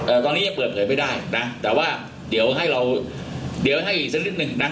ตอนนี้ยังเปิดเผยไม่ได้นะแต่ว่าเดี๋ยวให้เราเดี๋ยวให้อีกสักนิดหนึ่งนะ